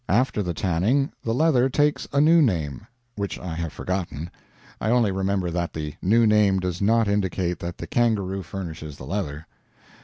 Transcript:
After the tanning, the leather takes a new name which I have forgotten I only remember that the new name does not indicate that the kangaroo furnishes the leather.